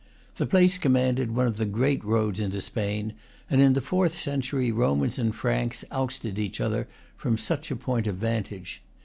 The place commanded one of the great roads into Spain, and in the fourth century Romans and Franks ousted each other from such a point of vantage.